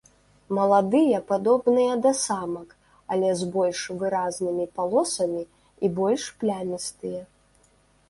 Маладыя падобныя да самак, але з больш выразнымі палосамі і больш плямістыя.